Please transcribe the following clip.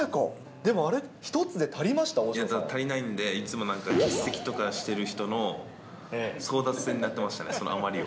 でもあれ、足りないんで、いつもなんか欠席とかしてる人の、争奪戦になってましたね、その余りを。